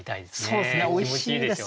そうですねおいしいですよね。